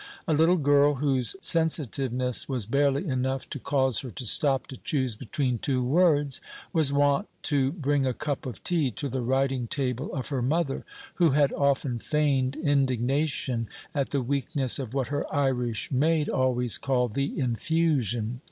A little girl whose sensitiveness was barely enough to cause her to stop to choose between two words, was wont to bring a cup of tea to the writing table of her mother, who had often feigned indignation at the weakness of what her Irish maid always called "the infusion."